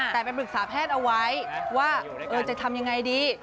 แต่ไปปรึกษาแพทย์เอาไว้ว่าจะทำยังไงดี